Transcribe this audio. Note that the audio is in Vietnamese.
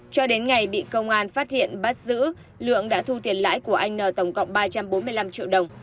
cho đến ngày bị công an phát hiện bắt giữ lượng đã thu tiền lãi của anh n tổng cộng ba trăm bốn mươi năm triệu đồng